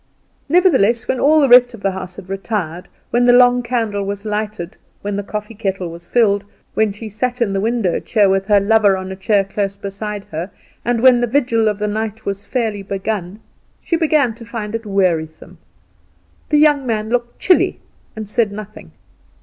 Nevertheless, when all the rest of the house had retired, when the long candle was lighted, when the coffee kettle was filled, when she sat in the elbow chair, with her lover on a chair close beside her, and when the vigil of the night was fairly begun, she began to find it wearisome. The young man looked chilly, and said nothing.